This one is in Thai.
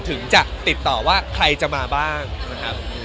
ถึงจะติดต่อว่าใครจะมาบ้างนะครับ